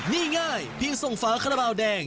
นี่ง่ายเพียงส่งฟ้าขนาดราวแดง